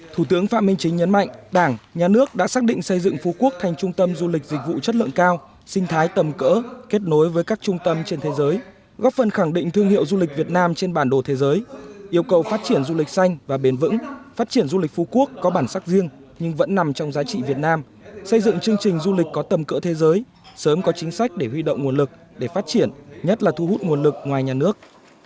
thủ tướng phạm minh chính nhấn mạnh đảng nhà nước đã xác định xây dựng phú quốc thành trung tâm du lịch dịch vụ chất lượng cao sinh thái tầm cỡ kết nối với các trung tâm trên thế giới góp phần khẳng định thương hiệu du lịch việt nam trên bản đồ thế giới yêu cầu phát triển du lịch xanh và bền vững phát triển du lịch phú quốc có bản sắc riêng nhưng vẫn nằm trong giá trị việt nam xây dựng chương trình du lịch có tầm cỡ thế giới sớm có chính sách để huy động nguồn lực để phát triển nhất là thu hút nguồn lực ngoài nhà nước